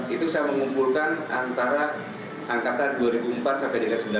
itu saya mengumpulkan antara angkatan dua ribu empat sampai seribu sembilan ratus sembilan puluh